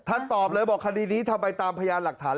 ตอบเลยบอกคดีนี้ทำไปตามพยานหลักฐาน